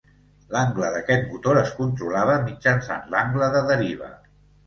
L'angle d'aquest motor es controlava mitjançant l"angle de deriva".